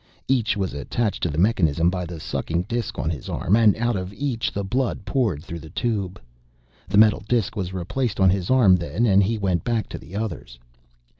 Each was attached to the mechanism by the sucking disk on his arm, and out of each the blood poured through the tube. The metal disk was replaced on his arm then and he went back to the others.